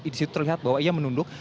di situ terlihat bahwa ia menunduk